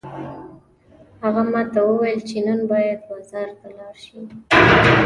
هغه ماته وویل چې نن باید بازار ته لاړ شو